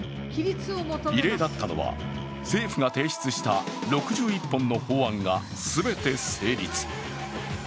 異例だったのは政府が提出した６１本の法案が全て成立。